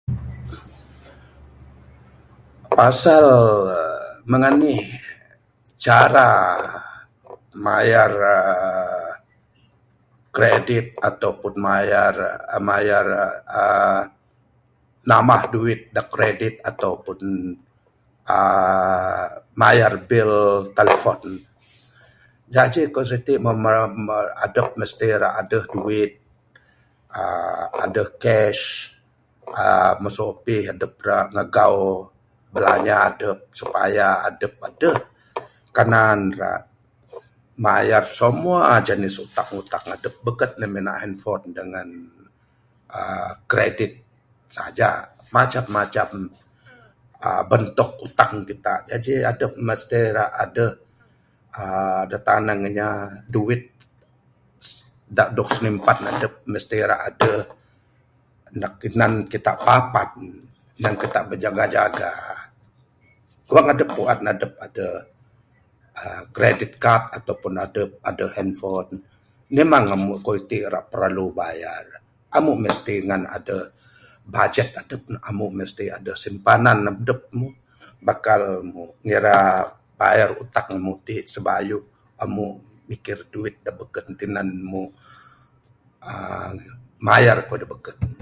Pasal mung anih cara mayar uhh kredit atau pun mayar , mayar uhh nambah duit da kredit atau pun uhh mayar bil telefon. Jaji kayuh siti, meh ma, meh adup mesti aduh duit uhh aduh cash uhh masu apih adup rak magau bilanja adup supaya adup aduh kanan rak mayar semua jenis utang utang adup beken ne minak hanfon dengan aaa kredit sajak. Macam macam uhh bentok utang kitak. Jaji adup mesti rak aduh uhh da tanang inya duit da dog sinimpan adup mesti rak aduh. Nak kinan kitak papan, nan kitak bijaga jaga. Wang adup pu'an adup aduh uhh kredit kad atau pun adup aduh hanfon, memang amuk kayuh itik irak perlu bayar. Amuk mesti ngan aduh bajet adup ne. Amuk mesti aduh simpanan adup muk, bakal muk ngira bayar utang muk sibayuh amuk mikir duit da beken tinan muk uhh mayar kayuh da beken.